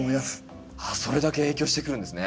それだけ影響してくるんですね。